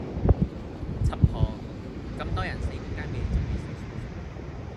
柒婆！咁多人死點解你仲未死